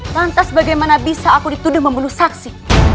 lantas bagaimana bisa aku dituduh membunuh saksi